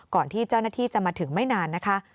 ก่อนที่เจ้าหน้าที่จะมาถึงไม่นานนะคะ